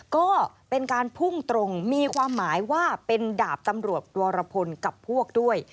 ก็เป็นการพุ่งตรงมีความหมายว่าเป็นดาบตำรวจวรพลกับพวกด้วย